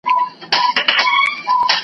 زمری راغی زه یې وویشتم له مځکي .